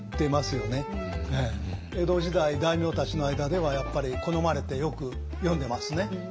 江戸時代大名たちの間ではやっぱり好まれてよく読んでますね。